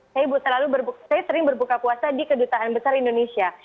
saya sering berpuasa di kedutaan besar indonesia